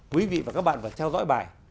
quý vị và các bạn phải theo dõi bài